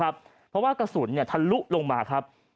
เพราะว่ากระสุนทะลุลงมาครับ